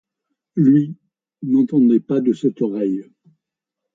Lui, n’entendait pas de cette oreille.